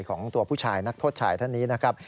ของตัวผู้ชายนักโทษชายท่านนี้นะครับ